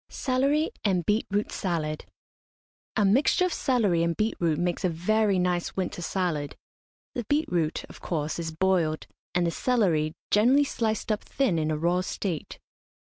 CELERY AND BEET ROOT SALAD. A mixture of celery and beet root makes a very nice winter salad. The beet root, of course, is boiled, and the celery generally sliced up thin in a raw state.